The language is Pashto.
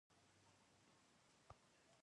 د ګلپي ګل د معدې لپاره وکاروئ